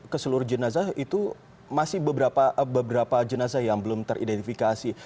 keseluruh jenazah itu masih beberapa jenazah yang belum teridentifikasi